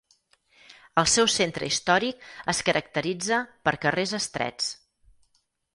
El seu centre històric es caracteritza per carrers estrets.